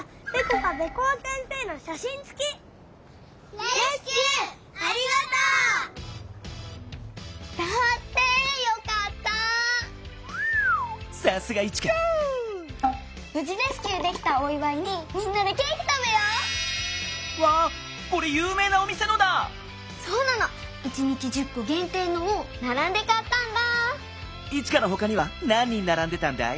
イチカのほかにはなん人ならんでたんだい？